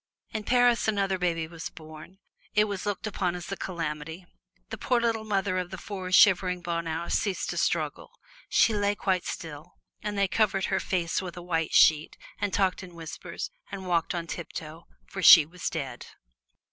In Paris another baby was born it was looked upon as a calamity. The poor little mother of the four little shivering Bonheurs ceased to struggle. She lay quite still, and they covered her face with a white sheet and talked in whispers, and walked on tiptoe, for she was dead.